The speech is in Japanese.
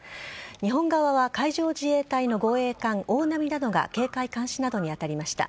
日本側は海上自衛隊の護衛艦「おおなみ」などが警戒監視などに当たりました。